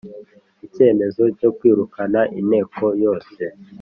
Icyemezo cyo kwirukana inteko yose